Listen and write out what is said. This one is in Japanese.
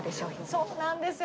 そうなんですよ